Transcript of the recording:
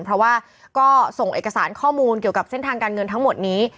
เพราะว่าก็ส่งเอกสารข้อมูลเกี่ยวกับเส้นทางการเงินทั้งหมดนี้